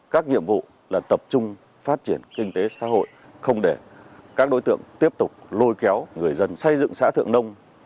các nhiệm vụ là tập trung phát triển kinh tế xã hội không để các đối tượng tiếp tục lôi kéo người dân xây dựng xã thượng nông